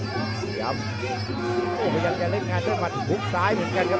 เสียบโอ้โหไปยั่นกันเล่นงานด้วยมันหุบซ้ายเหมือนกันครับ